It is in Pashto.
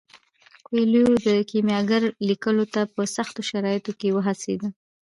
کویلیو د کیمیاګر لیکلو ته په سختو شرایطو کې وهڅید.